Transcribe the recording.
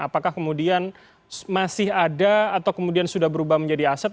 apakah kemudian masih ada atau kemudian sudah berubah menjadi aset